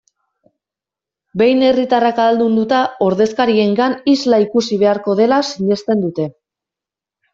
Behin herritarrak ahaldunduta, ordezkariengan isla ikusi beharko dela sinesten dute.